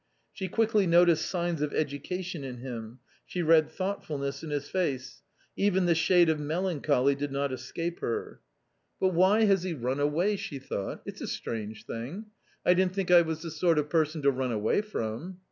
She quickly noticed signs of education in him; she read thoughtfulness in his face ; even the shade of melancholy did not escape her. 206 A COMMON STORY " But why has he run away!" she thought ; "it's a strange thing. I didn't think I was the sort of person to run away from."